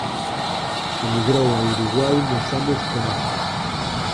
Emigrou a Uruguai nos anos corenta.